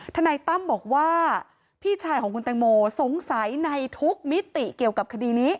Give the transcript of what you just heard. ทนายตั้มบอกว่าพี่ชายของคุณแตงโมสงสัยในทุกมิติเกี่ยวกับคดีนี้